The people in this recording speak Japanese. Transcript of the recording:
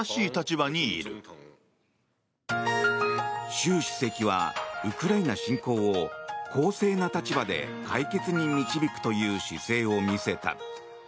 習主席はウクライナ侵攻を公正な立場で解決に導くという姿勢を見せた。